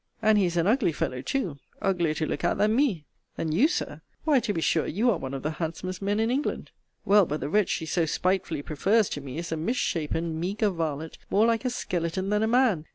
And he is an ugly fellow too; uglier to look at than me. Than you, Sir! Why, to be sure, you are one of the handsomest men in England. Well, but the wretch she so spitefully prefers to me is a mis shapen, meagre varlet; more like a skeleton than a man!